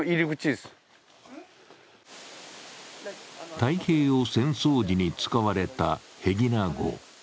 太平洋戦争時に使われた平喜名壕。